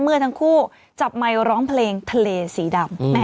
เมื่อทั้งคู่จับไมค์ร้องเพลงทะเลสีดำ